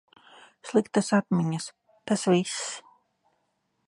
Sliktas atmiņas, tas viss.